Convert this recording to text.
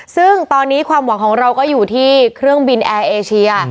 ซึ่งตอนนี้ความหวังของเราก็อยู่ที่เครื่องบินแอร์เอเชีย